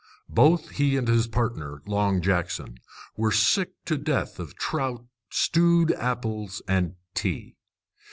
Both he and his partner, Long Jackson, were sick to death of trout, stewed apples, and tea.